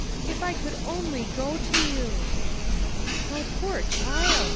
if I could only go to you!" "My poor child!"